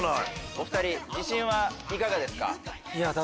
お２人自信はいかがですか？